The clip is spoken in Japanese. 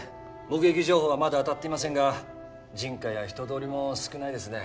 目撃情報はまだあたっていませんが人家や人通りも少ないですね・